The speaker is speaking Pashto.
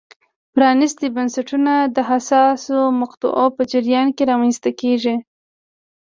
پرانیستي بنسټونه د حساسو مقطعو په جریان کې رامنځته کېږي.